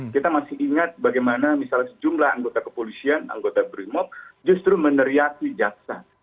kita masih ingat bagaimana misalnya sejumlah anggota kepolisian anggota brimob justru meneriaki jaksa